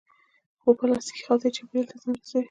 هو، پلاستیکی خلطی چاپیریال ته زیان رسوی